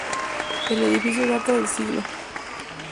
El edificio data del siglo.